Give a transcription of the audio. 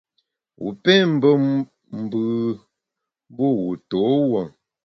Wu pé mbe mbù, mbu wu to wuo ?